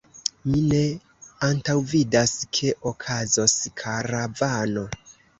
Mi ne antaŭvidas ke okazos karavano.